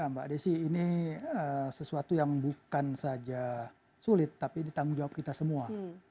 ya mbak desi ini sesuatu yang bukan saja sulit tapi ditanggung jawab kita semua